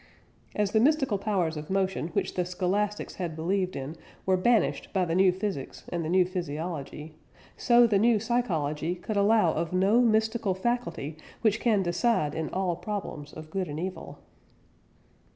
As the mystical powers of motion which the Scholastics had believed in were banished by the new physics and the new physiology, so the new psychology could allow of no mystical faculty which can decide in all problems of good and evil.